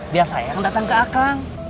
biar saya yang datang ke kak kang